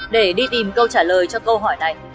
để đi tìm câu trả lời cho câu hỏi này